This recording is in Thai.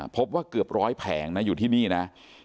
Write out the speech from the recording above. พบว่าเกือบร้อยแผงนะอยู่ที่นี่นะ